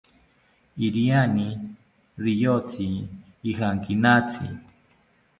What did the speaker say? Iriani riyotzi ijankinatzi